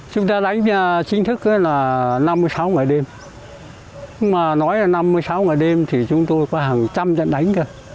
chúng ta đánh chính thức là năm mươi sáu ngày đêm mà nói là năm mươi sáu ngày đêm thì chúng tôi có hàng trăm trận đánh cơ